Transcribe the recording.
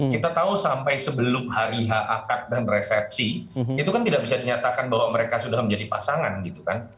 kita tahu sampai sebelum hari h akad dan resepsi itu kan tidak bisa dinyatakan bahwa mereka sudah menjadi pasangan gitu kan